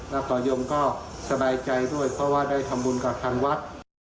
แล้วก็ยมก็สบายใจด้วยเพราะว่าได้ทำบุญกับทางวัด